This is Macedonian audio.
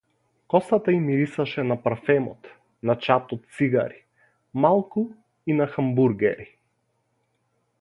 Косата ѝ мирисаше на парфемот, на чад од цигари, малку и на хамбургери.